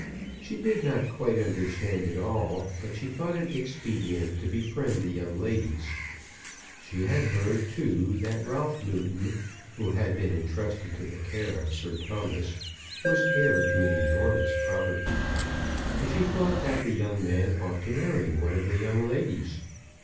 She did not quite understand it all, but she thought it expedient to befriend the young ladies. She had heard, too, that Ralph Newton, who had been entrusted to the care of Sir Thomas, was heir to an enormous property; and she thought that the young man ought to marry one of the young ladies.